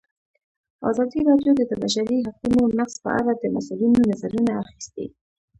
ازادي راډیو د د بشري حقونو نقض په اړه د مسؤلینو نظرونه اخیستي.